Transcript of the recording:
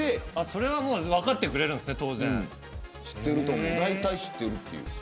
それは分かってくれるんですね。